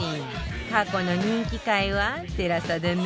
過去の人気回は ＴＥＬＡＳＡ でね